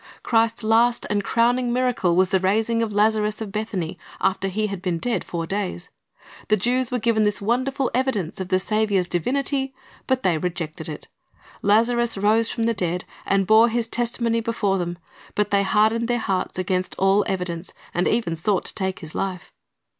Christ's last and crowning miracle was the raising of Lazarus of Bethany, after he had been dead four days. The Jews were given this wonderful evidence of the Saviour's divinity, but they rejected it. Lazarus rose from the dead, and bore his testimony before them, but they hardened their hearts against all evidence, and even sought to take his life.